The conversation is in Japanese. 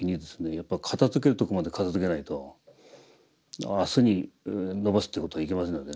やっぱり片づけるところまで片づけないと明日に延ばすということはいけませんのでね。